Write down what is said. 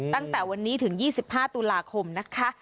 ตั้งแต่วันนี้ถึง๒๕ตุลาคมนะคะ